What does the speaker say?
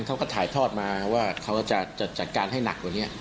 เขาก็ถ่ายทอดมาว่าเขาจะจัดการให้หนักกว่านี้